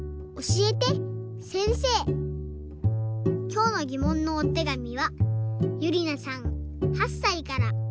きょうのぎもんのおてがみはゆりなさん８さいから。